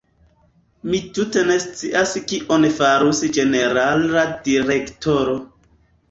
Mi tute ne scias kion farus ĝenerala direktoro.